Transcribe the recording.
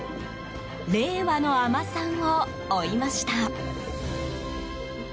令和の海女さんを追いました。